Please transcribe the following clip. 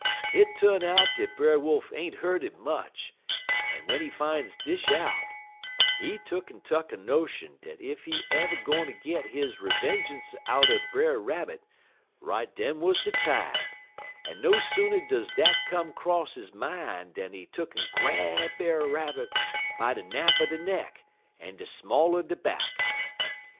"Hit tu'n out dat Brer Wolf ain't hurted much, en w'en he fine dis out, he tuck'n tuck a notion dat ef he ev' gwine git he revengeance out'n Brer Rabbit, right den wuz de time, en no sooner does dat come 'cross he min' dan he tuck'n grab Brer Rabbit by de nap er de neck en de small er de back.